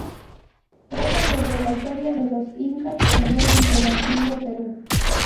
Trata sobre la historia de los Incas o reyes del Antiguo Perú.